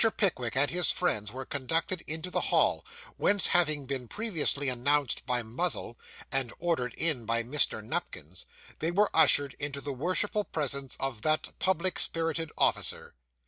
Pickwick and his friends were conducted into the hall, whence, having been previously announced by Muzzle, and ordered in by Mr. Nupkins, they were ushered into the worshipful presence of that public spirited officer.